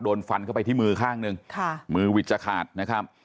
โดนฟันเข้าไปที่มือข้างหนึ่งค่ะมือหวิดจะขาดนะครับ